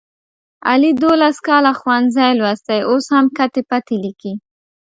علي دوولس کاله ښوونځی لوستی اوس هم کتې پتې لیکي.